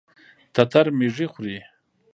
تتر ميږي خوري.